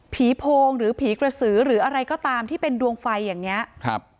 โพงหรือผีกระสือหรืออะไรก็ตามที่เป็นดวงไฟอย่างเนี้ยครับ